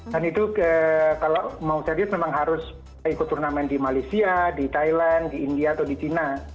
dan itu kalau mau serius memang harus ikuturnamen di malaysia di thailand di indonesia